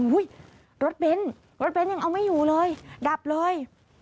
รถเบนท์รถเบ้นยังเอาไม่อยู่เลยดับเลย